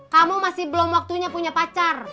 kamu masih belum waktunya punya pacar